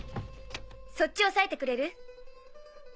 そっち押さえてくれる？